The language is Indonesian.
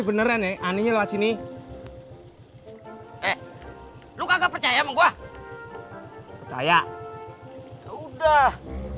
keren anehnya lohacini eh lu kagak percaya emang gua percaya ya udah